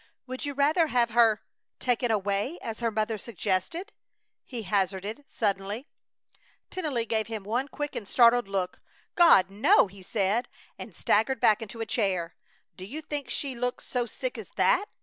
"Would you rather have her taken away as her mother suggested?" he hazarded, suddenly. Tennelly gave him one quick, startled look. "God! No!" he said, and staggered back into a chair. "Do you think she looks so sick as that?